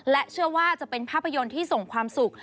เชื่อว่าจะเป็นภาพยนตร์ที่ส่งความสุข